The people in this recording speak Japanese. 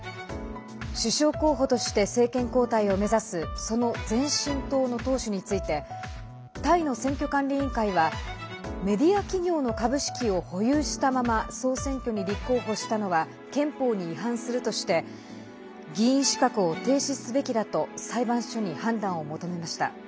首相候補として政権交代を目指すその前進党の党首についてタイの選挙管理委員会はメディア企業の株式を保有したまま総選挙に立候補したのは憲法に違反するとして議員資格を停止すべきだと裁判所に判断を求めました。